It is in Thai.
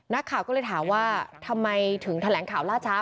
นักข่าวก็เลยถามว่าทำไมถึงแถลงข่าวล่าช้า